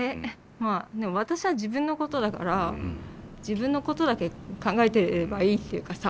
まあ私は自分のことだから自分のことだけ考えていればいいっていうかさ